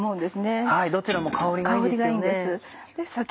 どちらも香りがいいですよね。